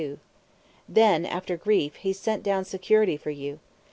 P: Then, after grief, He sent down security for you.